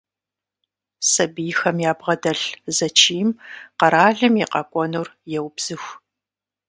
Сабийхэм ябгъэдэлъ зэчийм къэралым и къэкӀуэнур еубзыху.